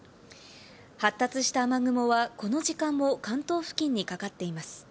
発達した雨雲はこの時間も関東付近にかかっています。